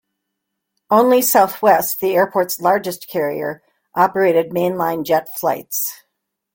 Only Southwest, the airport's largest carrier, operated mainline jet flights.